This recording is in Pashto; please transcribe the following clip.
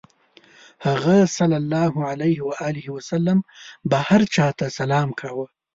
هغه ﷺ به هر چا ته سلام کاوه.